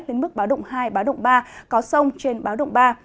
lên mức báo động hai báo động ba có sông trên báo động ba